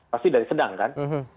pasti dari sedang kan